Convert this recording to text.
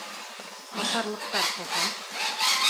— Насарлыҡтар ҡылһам.